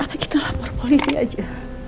pak apa kita lapor polisi saja